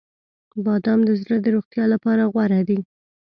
• بادام د زړه د روغتیا لپاره غوره دي.